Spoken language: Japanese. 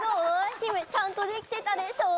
ヒメちゃんとできてたでしょう？